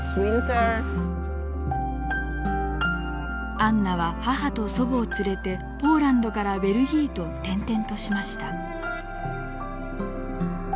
アンナは母と祖母を連れてポーランドからベルギーと転々としました。